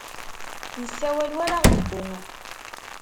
Yessawal war aɣdebbu.